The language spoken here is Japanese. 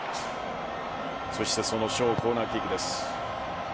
そして、そのショーコーナーキックです。